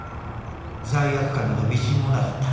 罪悪感などみじんもなかった